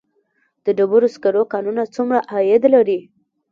د ډبرو سکرو کانونه څومره عاید لري؟